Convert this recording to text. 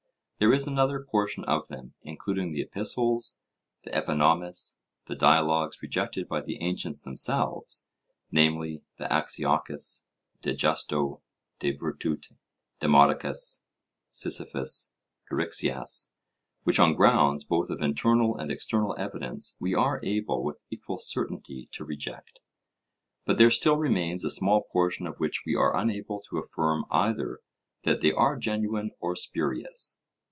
There is another portion of them, including the Epistles, the Epinomis, the dialogues rejected by the ancients themselves, namely, the Axiochus, De justo, De virtute, Demodocus, Sisyphus, Eryxias, which on grounds, both of internal and external evidence, we are able with equal certainty to reject. But there still remains a small portion of which we are unable to affirm either that they are genuine or spurious.